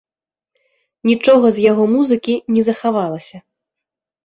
Нічога з яго музыкі не захавалася.